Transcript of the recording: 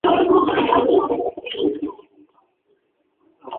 下分四自治市。